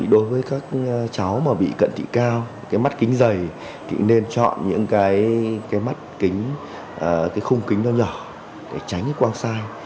đối với các cháu mà bị cận thị cao cái mắt kính dày thì nên chọn những cái mắt kính cái khung kính nó nhỏ để tránh cái quang sai